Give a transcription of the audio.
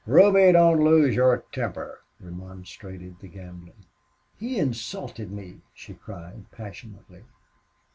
"Ruby, don't lose your temper," remonstrated the gambler. "He insulted me!" she cried, passionately.